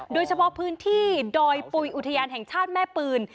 โดยเฉพาะพื้นที่ดอยปุ๋ยอุทยานแห่งชาติแม่ปืน